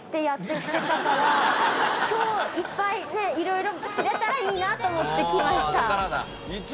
今日いっぱいいろいろ知れたらいいなと思って来ました。